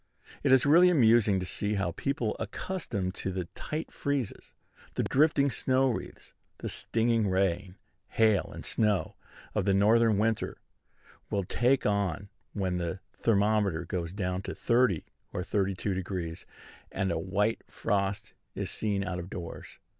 It is really amusing to see how people accustomed to the tight freezes, the drifting snow wreaths, the stinging rain, hail, and snow, of the Northern winter, will take on when the thermometer goes down to 30° or 32°, and a white frost is seen out of doors.